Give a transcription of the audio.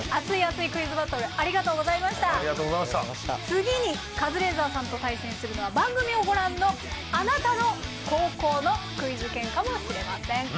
次にカズレーザーさんと対戦するのは番組をご覧のあなたの高校のクイズ研かもしれません！